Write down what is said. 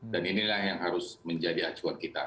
dan inilah yang harus menjadi acuan kita